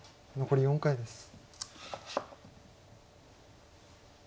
残り４回です。